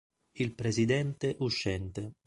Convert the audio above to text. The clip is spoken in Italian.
Il presidente uscente.